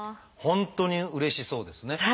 本当にうれしそうですね。